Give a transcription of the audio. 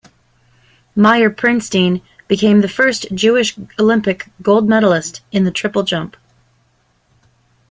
Meyer Prinstein became the first Jewish Olympic gold medalist in the triple jump.